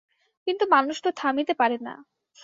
কিন্তু মানুষ তো থামিতে পারে না।